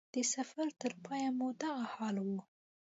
د سفر تر پای مو دغه حال و.